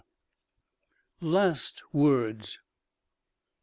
LAST WORDS.